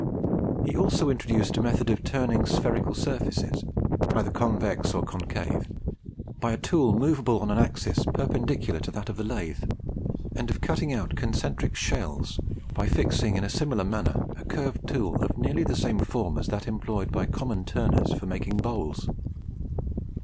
He also introduced a method of turning spherical surfaces, either convex or concave, by a tool moveable on an axis perpendicular to that of the lathe; and of cutting out concentric shells by fixing in a similar manner a curved tool of nearly the same form as that employed by common turners for making bowls.